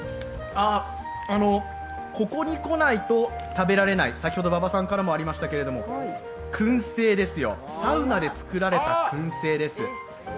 ここに来ないと食べられない、先ほど馬場さんからもありましたけど、くん製ですよ、サウナで作られたくん製です。